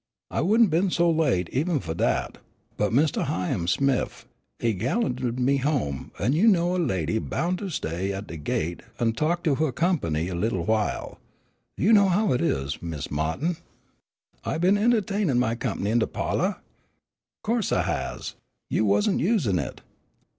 I wouldn't been so late even fu' dat, but Mistah Hi'am Smif, he gallanted me home an' you know a lady boun' to stan' at de gate an' talk to huh comp'ny a little while. You know how it is, Mis' Ma'tin. "I been en'tainin' my comp'ny in de pa'lor? Co'se I has; you wasn't usin' it.